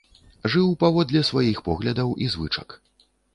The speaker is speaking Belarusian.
Жыў паводле сваіх поглядаў і звычак.